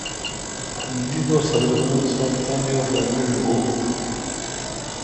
دیدوس حضرت عمر صاب تانی وخ دا میݭ گو۔